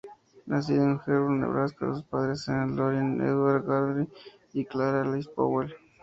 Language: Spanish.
Nacido en Hebron, Nebraska, sus padres eran Lorin Edward Darby y Clara Alice Powell.